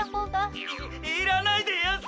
いいらないでやんす。